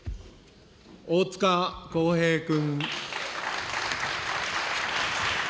大塚耕平君。